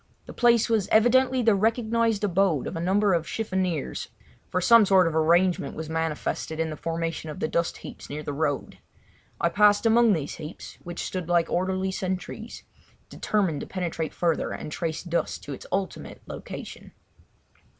The place was evidently the recognised abode of a number of chiffoniers, for some sort of arrangement was manifested in the formation of the dust heaps near the road. I passed amongst these heaps, which stood like orderly sentries, determined to penetrate further and trace dust to its ultimate location.